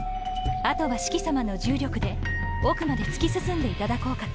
あとはシキさまの重力で奥まで突き進んでいただこうかと。